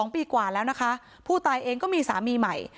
๒ปีกว่าแล้วนะคะผู้ตายเองก็มีสามีใหม่